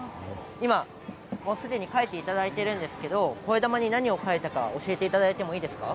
今、すでに書いていただいているんですけどこえだまに何を書いたか教えていただいてもいいですか？